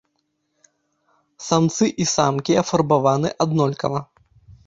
Самцы і самкі афарбаваны аднолькава.